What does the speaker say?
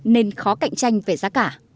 nên khó cạnh tranh về giá cả